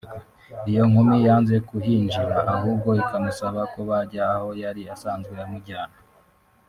Iyo nkumi yanze kuhinjira ahubwo ikamusaba ko bajya aho yari asanzwe amujyana